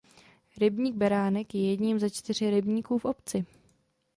Rybník Beránek je jedním ze čtyř rybníků v obci.